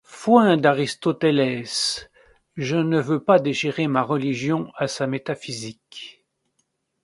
Foin d’Aristoteles! je ne veux pas déchirer ma religion à sa métaphysique.